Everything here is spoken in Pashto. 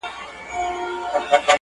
افغان وطن او افغان ولس